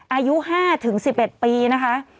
อายุ๕๑๑ปีนะคะ